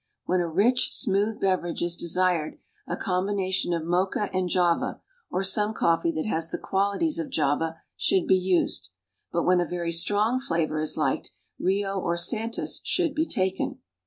When a rich, smooth beverage is desired, a combination of Mocha and Java or some coffee that has the qualities of Java should be used; but when a very strong flavor is liked, Rio or Santas should be taken.